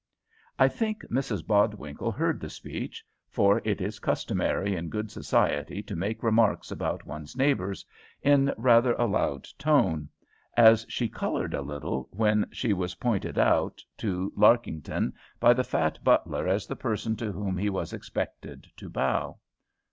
I think Mrs Bodwinkle heard the speech for it is customary in good society to make remarks about one's neighbours in rather a loud tone as she coloured a little when she was pointed out to Larkington by the fat butler as the person to whom he was expected to bow.